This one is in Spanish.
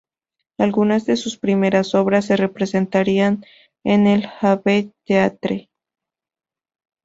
Algunas de sus primeras obras se representarían en el Abbey Theatre.